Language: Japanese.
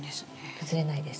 崩れないです。